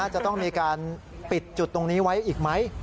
จะต้องมีการปิดจุดตรงนี้ไว้อีกไหม